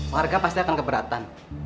warga pasti akan keberatan